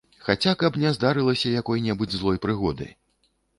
Хаця каб не здарылася якой-небудзь злой прыгоды!